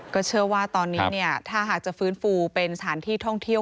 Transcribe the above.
ก็เชื่อว่าตอนนี้ถ้าหากจะฟื้นฟูเป็นสถานที่ท่องเที่ยว